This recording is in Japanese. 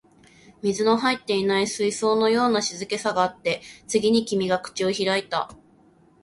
水の入っていない水槽のような静けさがあって、次に君が口を開いた